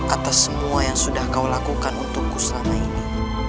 atas semua yang sudah kau lakukan untukku selama ini